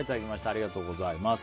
ありがとうございます。